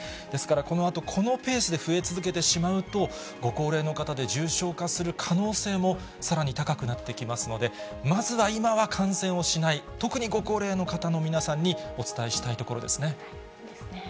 ですから、このあとこのペースで増え続けてしまうと、ご高齢の方で重症化する可能性もさらに高くなってきますので、まずは今は感染をしない、特にご高齢の方の皆さんにお伝えしたいところですね。